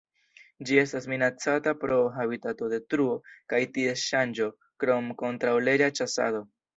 Ĝi estas minacata pro habitatodetruo kaj ties ŝanĝo krom kontraŭleĝa ĉasado.